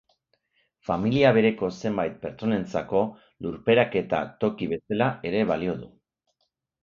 Familia bereko zenbait pertsonentzako lurperaketa toki bezala ere balio du.